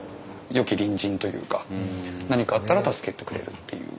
よき隣人というか何かあったら助けてくれるっていう。